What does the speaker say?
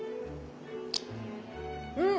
うん！